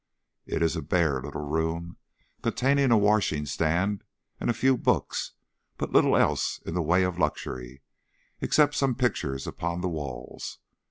It is a bare little room, containing a washing stand and a few books, but little else in the way of luxury, except some pictures upon the walls.